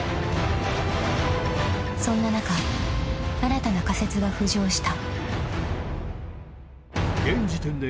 ［そんな中新たな仮説が浮上した］